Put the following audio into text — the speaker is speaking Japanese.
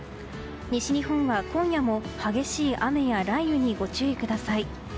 西日本は今夜も激しい雨や雷雨にご注意ください。